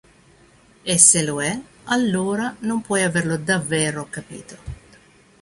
E se lo è, allora non puoi averlo davvero capito.